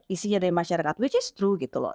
isinya dari masyarakat yang benar gitu loh